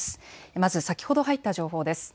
まず先ほど入った情報です。